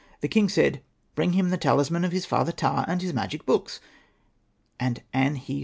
The king said, '' Bring him the talisman of his father Ptah^ and his magic books." And An.he.